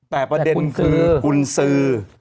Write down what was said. แต่ประเด็นคือกุญสือ